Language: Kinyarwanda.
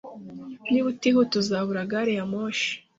Niba utihuta, uzabura gari ya moshi